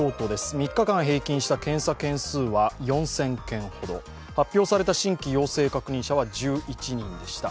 ３日平均した検査件数は４０００件ほど、発表された新規陽性確認者は１１人でした。